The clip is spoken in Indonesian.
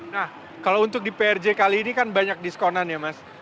nah kalau untuk di prj kali ini kan banyak diskonan ya mas